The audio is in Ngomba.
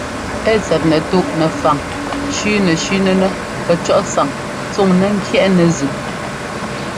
Ɛ tsɛt nɛtúꞌ nɛfaŋ shʉ́nɛshʉ́nɛnɛ́ pɛcɔ́ꞌ sáŋ tsúŋnɛ́ ŋ́kyɛ́ꞌnɛ zʉꞌ.